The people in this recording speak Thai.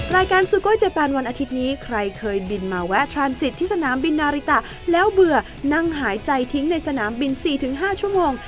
ซูโก้เจปานวันอาทิตย์นี้ใครเคยบินมาแวะทรานสิทธิ์ที่สนามบินนาริตะแล้วเบื่อนั่งหายใจทิ้งในสนามบิน๔๕ชั่วโมง